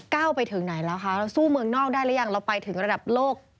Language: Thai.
ไปถึงไหนแล้วคะเราสู้เมืองนอกได้หรือยังเราไปถึงระดับโลก